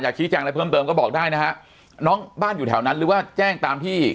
ชี้แจงอะไรเพิ่มเติมก็บอกได้นะฮะน้องบ้านอยู่แถวนั้นหรือว่าแจ้งตามที่